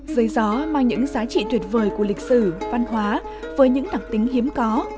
giới gió mang những giá trị tuyệt vời của lịch sử văn hóa với những đặc tính hiếm có